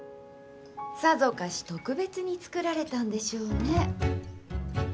さぞかし特別に作られたんでしょうね。